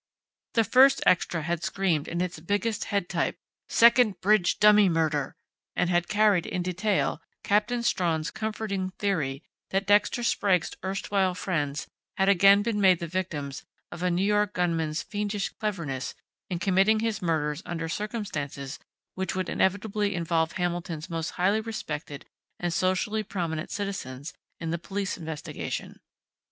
The first extra had screamed in its biggest head type: SECOND BRIDGE DUMMY MURDER! and had carried, in detail, Captain Strawn's comforting theory that Dexter Sprague's erstwhile friends had again been made the victims of a New York gunman's fiendish cleverness in committing his murders under circumstances which would inevitably involve Hamilton's most highly respected and socially prominent citizens in the police investigation.